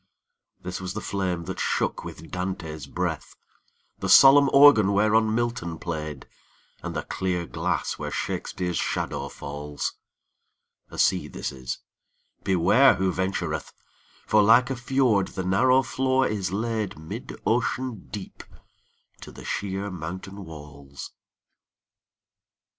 This was the flame that shook with Dante's breath ; The solenm organ whereon Milton played, And the clear glass where Shakespeare's shadow falls : A sea this is — beware who ventureth I For like a fjord the narrow floor b laid Mid ocean deep to the sheer mountain walls.